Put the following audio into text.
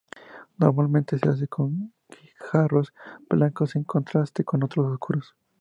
Normalmente se hace con guijarros blancos en contraste con otros oscuros.